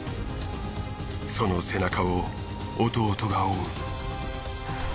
その背中を弟が追う。